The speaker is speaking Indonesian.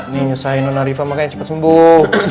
ninyusahin nona riva makanya cepet sembuh